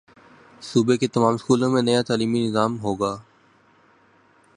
صوبے کے تمام سکولوں میں نیا تعلیمی نظام ہوگا